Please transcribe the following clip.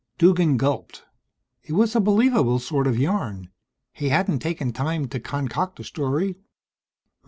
Duggan gulped. It made a believable sort of yarn. He hadn't taken time to concoct a story....